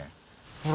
ほら